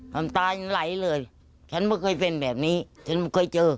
น้ำตายังไหลเลยฉันไม่เคยเป็นแบบนี้ฉันไม่เคยเจอ